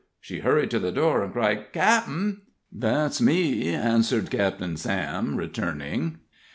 She hurried to the door, and cried: "Cap'en!" "That's me," answered Captain Sam, returning.